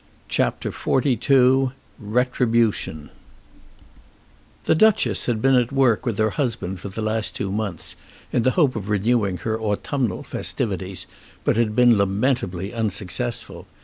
CHAPTER XLII Retribution The Duchess had been at work with her husband for the last two months in the hope of renewing her autumnal festivities, but had been lamentably unsuccessful.